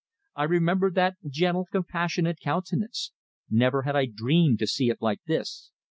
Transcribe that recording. I remembered that gentle, compassionate countenance; never had I dreamed to see it like this!